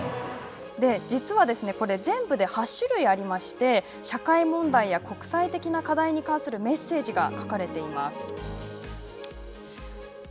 実はですね、これ、全部で８種類ありまして、社会問題や国際的な課題に関するメッセージが書かれています。